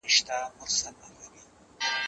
کېدای سي انځورونه خراب وي؟!